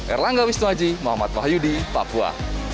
erlangga wisnuaji muhammad wahyudi papua